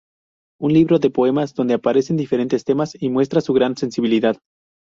Un libro de poemas donde aparecen diferentes temas y muestra su gran sensibilidad.